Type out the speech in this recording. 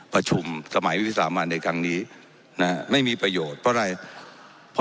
ประชุมสมัยวิทยาศาสตร์มาในครั้งนี้น่ะไม่มีประโยชน์เพราะอะไร